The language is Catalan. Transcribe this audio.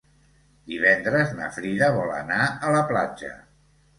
Divendres na Frida vol anar a la platja.